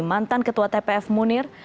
mantan ketua tpf munir